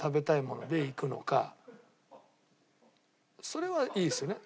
それはいいですよね？